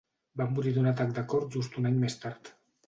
Va morir d'un atac de cor just un any més tard.